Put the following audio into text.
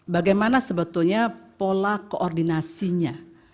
bagaimana sebetulnya pola koordinasinya